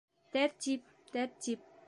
Тәртип, тәртип!